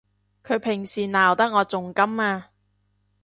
佢平時鬧得我仲甘啊！